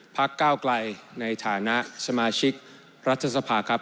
ก้าวไกลในฐานะสมาชิกรัฐสภาครับ